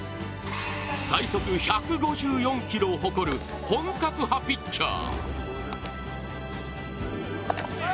最速１５４キロを誇る本格派ピッチャー。